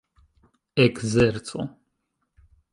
ekzerco